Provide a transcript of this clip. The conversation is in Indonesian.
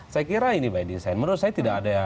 saya kira ini by design menurut saya tidak ada yang